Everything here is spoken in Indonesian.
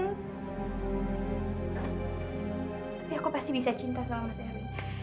tapi aku pasti bisa cinta sama mas eri